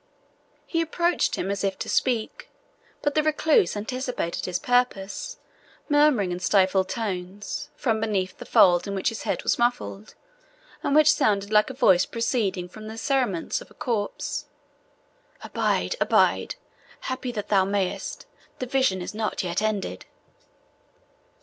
He approached him as if to speak; but the recluse anticipated his purpose, murmuring in stifled tones, from beneath the fold in which his head was muffled, and which sounded like a voice proceeding from the cerements of a corpse, "Abide, abide happy thou that mayest the vision is not yet ended."